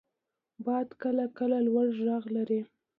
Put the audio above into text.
• باد کله کله لوړ ږغ لري.